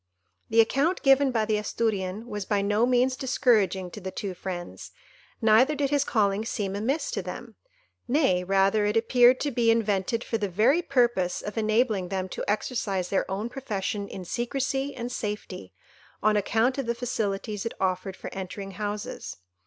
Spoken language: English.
The account given by the Asturian was by no means discouraging to the two friends, neither did his calling seem amiss to them; nay, rather, it appeared to be invented for the very purpose of enabling them to exercise their own profession in secresy and safety, on account of the facilities it offered for entering houses.